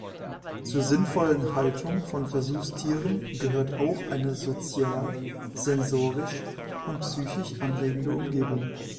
Zur sinnvollen Haltung von Versuchstieren gehört auch eine sozial, sensorisch und psychisch anregende Umgebung.